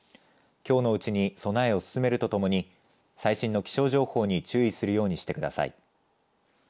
きょうのうちに備えを進めるとともに最新の気象情報に注意するようにしてください。